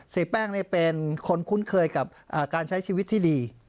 เสียแป้งนี่เป็นคนคุ้นเคยกับการใช้ชีวิตที่ดี